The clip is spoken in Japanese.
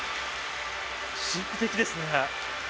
神秘的ですね。